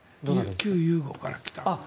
旧ユーゴから来た。